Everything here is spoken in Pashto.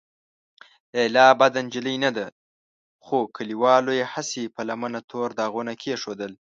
لیلا بده نجلۍ نه ده، خو کليوالو یې هسې په لمنه تور داغونه کېښودل.